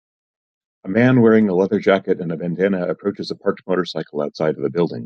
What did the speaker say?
A man wearing a leather jacket and a bandanna approaches a parked motorcycle outside of a building.